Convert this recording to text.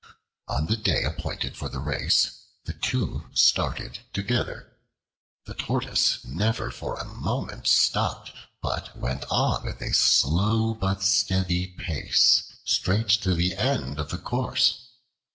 On the day appointed for the race the two started together. The Tortoise never for a moment stopped, but went on with a slow but steady pace straight to the end of the course.